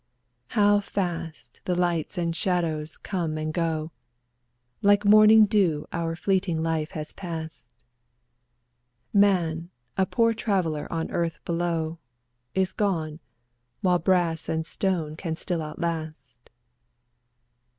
How fast the lights and shadows come and go ! Like morning dew our fleeting life has passed ; 22 Man, a poor traveller on earth below, Is gone, while brass and stone can still outlast.